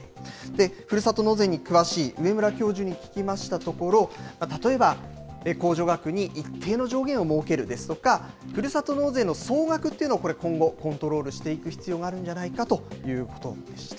ふるさと納税に詳しい上村教授に聞きましたところ、例えば控除額に一定の上限を設けるですとか、ふるさと納税の総額っていうのを今後、コントロールしていく必要があるんじゃないかということでした。